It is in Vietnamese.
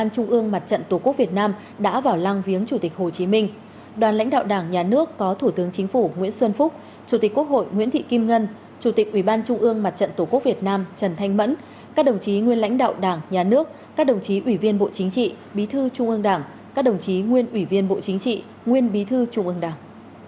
các đồng chí ủy viên bộ chính trị bí thư trung ương đảng các đồng chí nguyên ủy viên bộ chính trị nguyên bí thư trung ương đảng